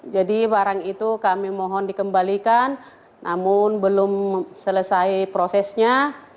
jadi barang itu kami mohon dikembalikan namun belum selesai prosesnya